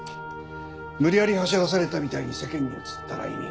無理やり走らされたみたいに世間に映ったら意味がない。